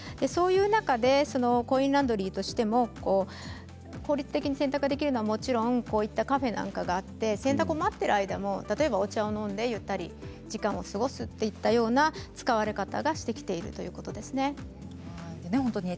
そういう中でコインランドリーとしても効率的に洗濯できるのはもちろんカフェなんかがあって洗濯を待っている間も例えばお茶を飲んで、ゆったり時間を過ごすといったような使われ方がしてきているということですね。